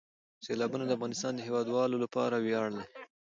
سیلابونه د افغانستان د هیوادوالو لپاره ویاړ دی.